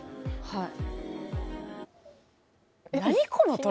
「はい」